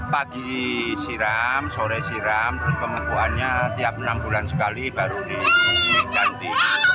pagi siram sore siram terus pemukuannya tiap enam bulan sekali baru diganti